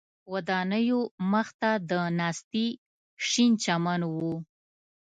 ودانیو مخ ته د ناستي شین چمن و.